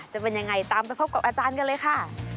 จะเป็นยังไงตามไปพบกับอาจารย์กันเลยค่ะ